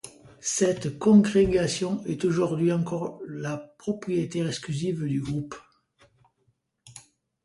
Cette congrégation est aujourd'hui encore la propriétaire exclusive du groupe.